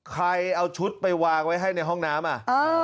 ใครเอาชุดไปวางไว้ให้ในห้องน้ำอ่ะ